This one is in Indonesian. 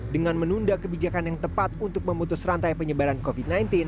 dengan menunda kebijakan yang tepat untuk memutus rantai penyebaran covid sembilan belas